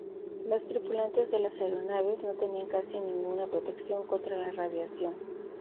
Los tripulantes de las aeronaves no tenían casi ninguna protección contra la radiación.